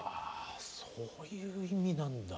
そういう意味なんだ。